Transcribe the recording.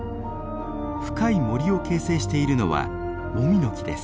深い森を形成しているのはもみの木です。